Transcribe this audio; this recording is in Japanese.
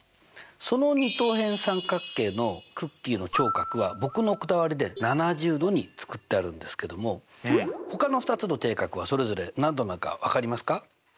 その二等辺三角形のクッキーの頂角は僕のこだわりで７０°に作ってあるんですけどもほかの２つの底角はそれぞれ何度なのか分かりますか？